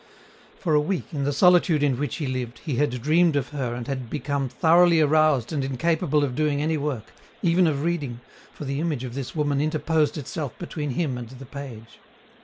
For a week, in the solitude in which he lived, he had dreamed of her and had become thoroughly aroused and incapable of doing any work, even of reading, for the image of this woman interposed itself between him and the page.